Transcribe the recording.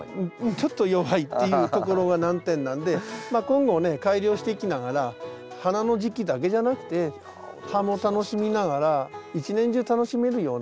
ちょっと弱いっていうところが難点なんで今後ね改良していきながら花の時期だけじゃなくて葉も楽しみながら一年中楽しめるような。